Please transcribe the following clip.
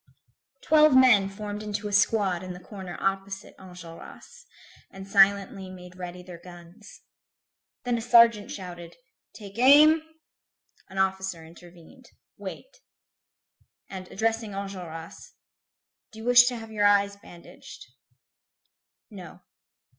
Twelve men formed into a squad in the corner opposite Enjolras, and silently made ready their guns. Then a sergeant shouted: "Take aim!" An officer intervened. "Wait." And addressing Enjolras: "Do you wish to have your eyes bandaged?" "No."